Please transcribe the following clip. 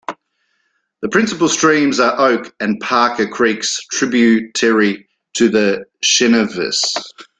The principal streams are Oak and Parker creeks tributary to the Schenevus.